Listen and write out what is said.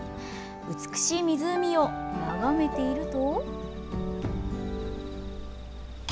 美しい湖を眺めていると。